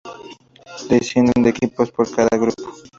Descienden dos equipos por cada grupo.